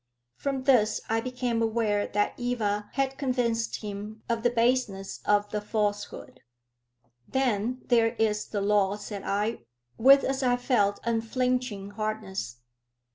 From this I became aware that Eva had convinced him of the baseness of the falsehood. "Then there is the law," said I, with, as I felt, unflinching hardness.